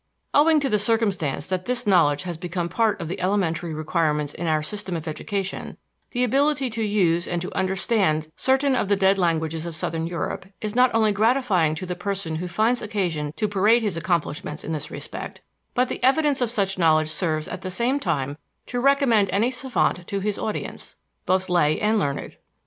Owing to the circumstance that this knowledge has become part of the elementary requirements in our system of education, the ability to use and to understand certain of the dead languages of southern Europe is not only gratifying to the person who finds occasion to parade his accomplishments in this respect, but the evidence of such knowledge serves at the same time to recommend any savant to his audience, both lay and learned.